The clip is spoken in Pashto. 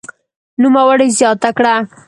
نوموړي زياته کړه